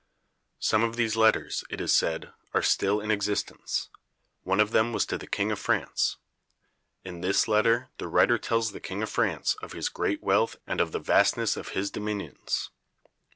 Some of these letters, it is said, are still in existence. One of them was to the King of France. In this letter the writer tells the King of France of his great wealth and of the vastness of his dominions.